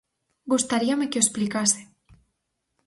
Gustaríame que o explicase.